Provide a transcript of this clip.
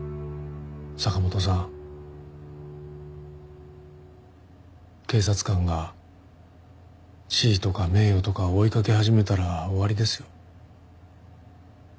坂本さん警察官が地位とか名誉とかを追いかけ始めたら終わりですよ。